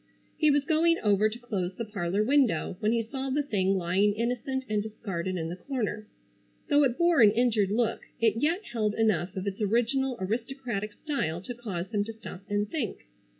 He was going over to close the parlor window, when he saw the thing lying innocent and discarded in the corner. Though it bore an injured look, it yet held enough of its original aristocratic style to cause him to stop and think.